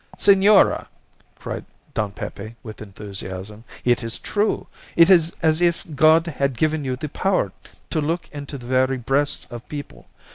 "Senora," cried Don Pepe, with enthusiasm, "it is true! It is as if God had given you the power to look into the very breasts of people.